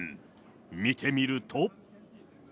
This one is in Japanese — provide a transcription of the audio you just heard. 見てみると。